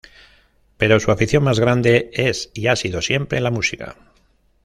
Pero su afición más grande es y ha sido siempre la música.